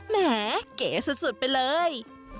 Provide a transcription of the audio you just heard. แหมเก๋สุดไปเลย